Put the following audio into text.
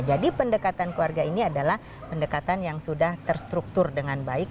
jadi pendekatan keluarga ini adalah pendekatan yang sudah terstruktur dengan baik